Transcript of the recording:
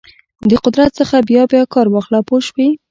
د قدرت څخه بیا بیا کار واخله پوه شوې!.